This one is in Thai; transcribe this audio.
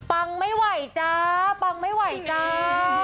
ฟังไม่ไหวจ้าปังไม่ไหวจ้า